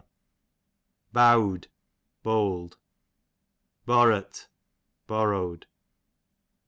Bowd, bold. Borrut, borrowed.